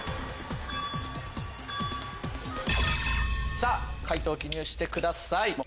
さぁ解答記入してください。